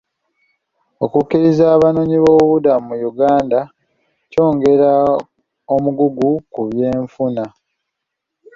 Okukkiriza abanoonyiboobubudamu mu Uganda kyongera omugugu ku byenfuna.